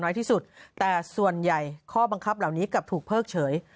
น้อยที่สุดแต่ส่วนใหญ่ข้อบังคับเหล่านี้กลับถูกเพิกเฉย